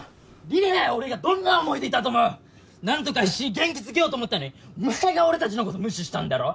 李里奈や俺がどんな思いでいたと思う⁉何とか必死に元気づけようと思ったのにお前が俺たちのこと無視したんだろ？